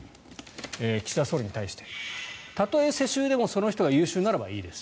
岸田総理に対してたとえ世襲でもその人が優秀ならばいいです。